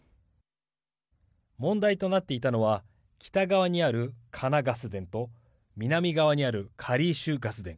問題となっていたのは北側にあるカナ・ガス田と南側にあるカリーシュ・ガス田。